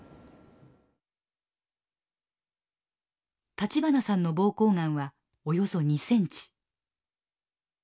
立花さんの膀胱がんはおよそ２センチ。